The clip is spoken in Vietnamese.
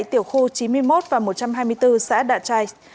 tiểu khu chín mươi một và một trăm hai mươi bốn xã đạ trai